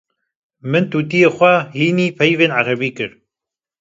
Min tûtiyê xwe hînî peyivîna erebî kir.